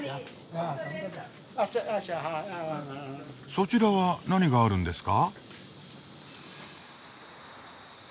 そちらは何があるんですか？